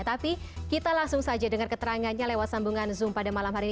tapi kita langsung saja dengar keterangannya lewat sambungan zoom pada malam hari ini